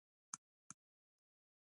شورا اصول لري